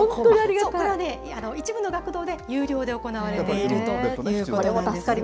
これはね、一部の学童で有料で行われているということなんです。